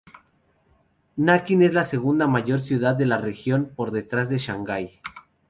Nankín es la segunda mayor ciudad de la región, por detrás de Shanghái.